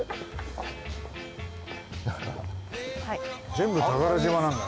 全部宝島なんだ。